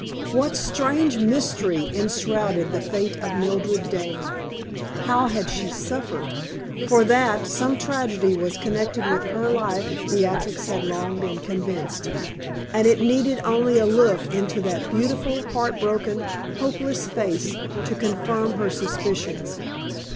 What strange mystery enshrouded the fate of Mildred Dane? How had she suffered? For that some tragedy was connected with her life Beatrix had long been convinced, and it needed only a look into that beautiful, heart broken, hopeless face to confirm her suspicions.